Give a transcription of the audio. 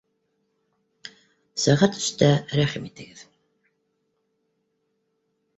Сәғәт өстә рәхим итегеҙ